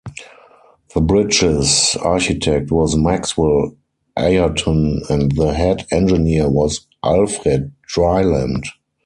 The bridge's architect was Maxwell Ayrton and the head engineer was Alfred Dryland.